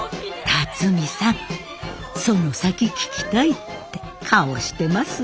龍己さんその先聞きたいって顔してますよ。